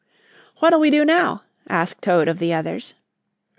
"What'll we do now?" asked Toad of the others.